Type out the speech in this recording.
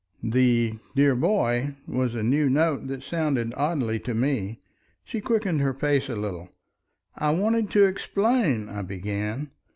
The "dear boy" was a new note, that sounded oddly to me. She quickened her pace a little. "I wanted to explain—" I began.